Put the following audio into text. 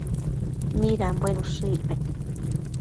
midanbuen ushë icpec?